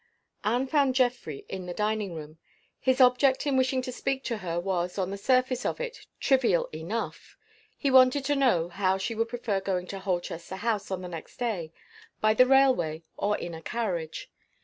Anne found Geoffrey in the dining room. His object in wishing to speak to her was, on the surface of it, trivial enough. He wanted to know how she would prefer going to Holchester House on the next day by the railway, or in a carriage.